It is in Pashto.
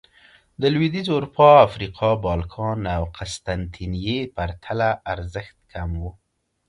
د لوېدیځې اروپا، افریقا، بالکان او قسطنطنیې پرتله ارزښت کم و